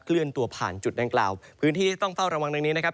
เลื่อนตัวผ่านจุดดังกล่าวพื้นที่ที่ต้องเฝ้าระวังดังนี้นะครับ